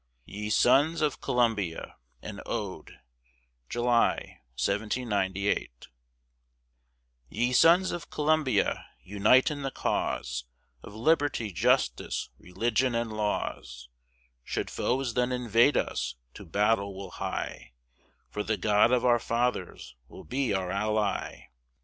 YE SONS OF COLUMBIA AN ODE [July, 1798] Ye sons of Columbia, unite in the cause Of liberty, justice, religion, and laws; Should foes then invade us, to battle we'll hie, For the GOD OF OUR FATHERS will be our ally!